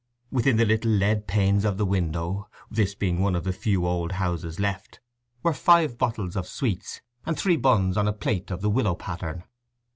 Within the little lead panes of the window—this being one of the few old houses left—were five bottles of sweets, and three buns on a plate of the willow pattern.